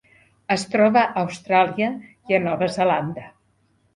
Es troba a Austràlia i a Nova Zelanda.